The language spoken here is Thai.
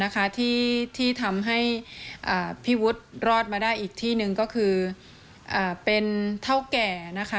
คือเป็นเท่าแก่นะคะ